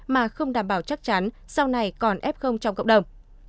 mà không đảm bảo chắc chắn sau này còn f trong cộng đồng